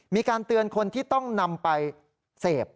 มีการเตือนคนที่ต้องนำไปเสพ